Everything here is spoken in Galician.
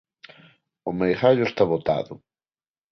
O meigallo está botado.